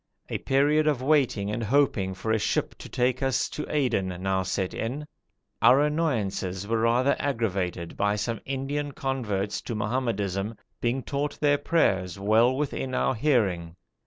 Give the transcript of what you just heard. A period of waiting and hoping for a ship to take us to Aden now set in. Our annoyances were rather aggravated by some Indian converts to Mohammedanism being taught their prayers well within our hearing.